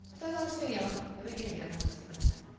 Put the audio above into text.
瞬也は矢部検事が担当してください。